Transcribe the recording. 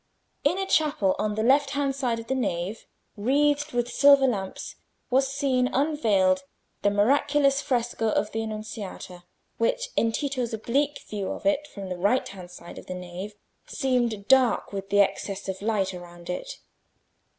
In a chapel on the left hand of the nave, wreathed with silver lamps, was seen unveiled the miraculous fresco of the Annunciation, which, in Tito's oblique view of it from the right hand side of the nave, seemed dark with the excess of light around it.